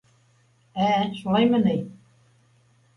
— Ә, шулаймы ни!